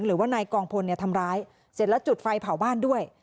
หรือว่านายกองพลทำร้ายเสร็จแล้วจุดไฟเผาบ้านด้วย